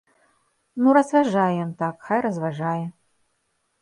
Ну разважае ён так, хай разважае.